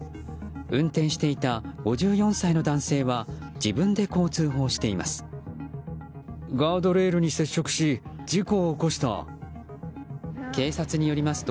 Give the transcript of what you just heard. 運転していた５４歳の男性は自分でこう通報しています。